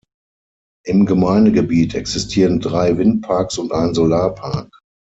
Im Gemeindegebiet existieren drei Windparks und ein Solarpark.